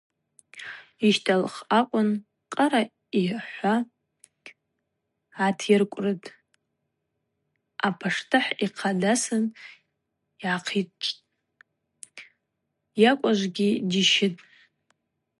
Йщтӏалхтӏ акӏвын Къара йахӏва гӏатйыркӏврытӏ, апаштыхӏ йхъа дасын йгӏахъичвтӏ, йыкӏважвагьи дищытӏ.